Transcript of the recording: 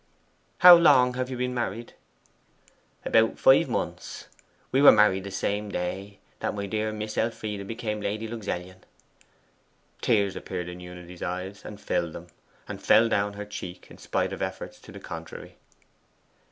'How long have you been married?' 'About five months. We were married the same day that my dear Miss Elfie became Lady Luxellian.' Tears appeared in Unity's eyes, and filled them, and fell down her cheek, in spite of efforts to the contrary.